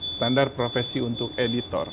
standar profesi untuk editor